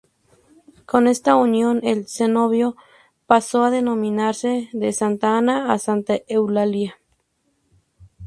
Con esta unión el cenobio pasó a denominarse de Santa Ana y Santa Eulalia.